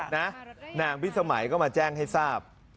นางพิสมัยก็มาแจ้งให้ทราบ